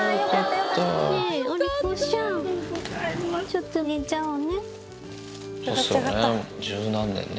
ちょっと入れちゃおうね。